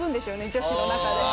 女子の中で。